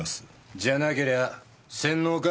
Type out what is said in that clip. じゃなけりゃ洗脳か？